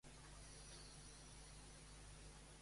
De què és partidari Bolsonaro?